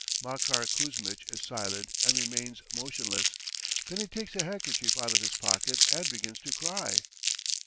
Makar Kuzmitch is silent and remains motionless, then he takes a handkerchief out of his pocket and begins to cry.